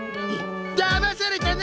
だまされたな！